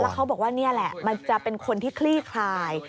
เขาบอกว่านี่แหละมันจะเป็นคนที่คลี่คลาย